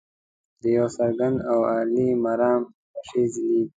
د یو څرګند او عالي مرام پلوشې ځلیږي.